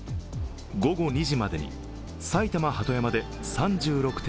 午後２時までに埼玉・鳩山で３６．９度。